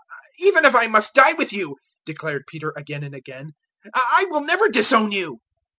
014:031 "Even if I must die with you," declared Peter again and again, "I will never disown you."